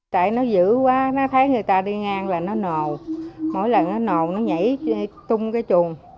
tại nó giữ quá nó thấy người ta đi ngang là nó nồ mỗi lần nó nồn nó nhảy tung cái chuồng